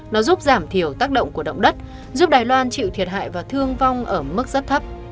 nó giúp giảm thiểu tác động của động đất giúp đài loan chịu thiệt hại và thương vong ở mức rất thấp